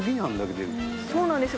そうなんですよ